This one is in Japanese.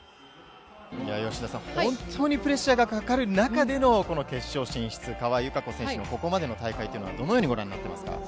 吉田さん、本当にプレッシャーがかかる中での決勝進出、川井友香子選手のここまでの戦いというのはどうご覧になっていますか？